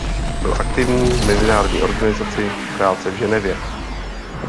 Byl aktivní v Mezinárodní organizaci práce v Ženevě.